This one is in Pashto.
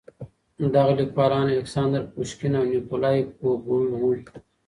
دغه ليکوالان الکساندر پوشکين او نېکولای ګوګول وو.